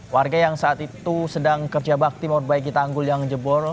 warga yang saat itu sedang kerja bakti memperbaiki tanggul yang jebol